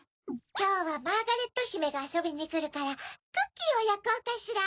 きょうはマーガレットひめがあそびにくるからクッキーをやこうかしら！